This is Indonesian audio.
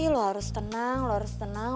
lo harus tenang lo harus tenang